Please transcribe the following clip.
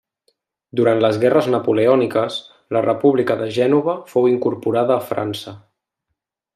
Durant les guerres napoleòniques, la República de Gènova fou incorporada a França.